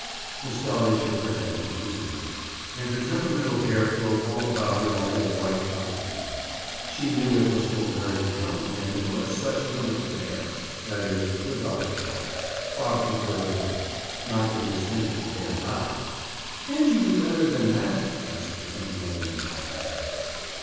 Miss Dolly shook her head reprovingly, and her temperamental hair flowed all about her over the white counterpane. She knew it must look very becoming, it was such wonderful hair—that is, for dark hair. Bob preferred light. Not that he was thinking of hair, now! "Can't you do better than that?" asked the temperamental young thing.